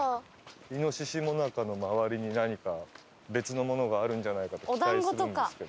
猪最中の周りに何か別のものがあるんじゃないかと期待するんですけど。